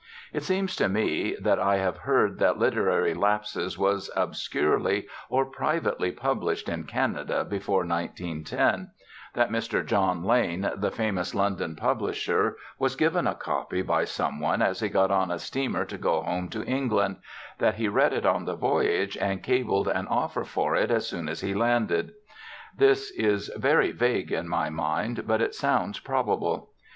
It seems to me that I have heard that Literary Lapses was obscurely or privately published in Canada before 1910; that Mr. John Lane, the famous London publisher, was given a copy by some one as he got on a steamer to go home to England; that he read it on the voyage and cabled an offer for it as soon as he landed. This is very vague in my mind, but it sounds probable.